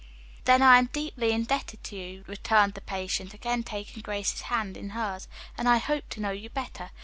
"Then I am deeply indebted to you," returned the patient, again taking Grace's hand in hers, "and I hope to know you better.